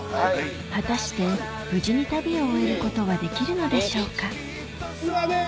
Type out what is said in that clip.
果たして無事に旅を終えることはできるのでしょうかこちらです！